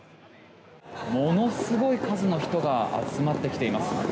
ものすごい数の人が集まってきています。